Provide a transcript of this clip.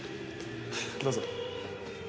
どうぞ。